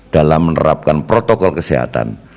dalam menerapkan protokol kesehatan